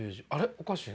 おかしいな。